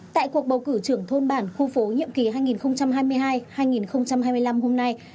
tại cuộc bầu cử trưởng thôn bản khu phố nhiệm kỳ hai nghìn hai mươi hai hai nghìn hai mươi năm hôm nay